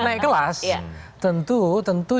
naik kelas tentu